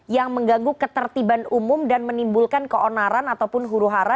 yang mengganggu ketertiban umum dan menimbulkan keonaran ataupun huru hara